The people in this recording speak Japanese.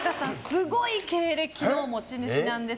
すごい経歴の持ち主なんです。